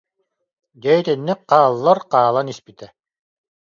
Дьэ, итинник хааллар хаа- лан испитэ